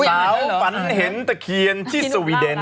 ฝันเห็นตะเคียนที่สวีเดน